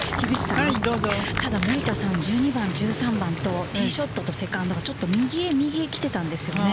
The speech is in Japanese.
森田さん、１２番１３番と、ティーショットとセカンド、ちょっと右へ来ていたんですよ。